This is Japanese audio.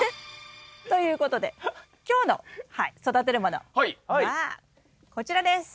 ということで今日の育てるものはこちらです。